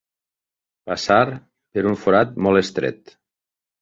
Passar per un forat molt estret.